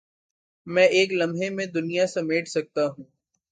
میں ایک لمحے میں دنیا سمیٹ سکتا ہوں